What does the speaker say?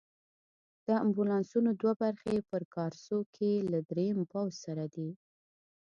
د امبولانسونو دوه برخې په کارسو کې له دریم پوځ سره دي.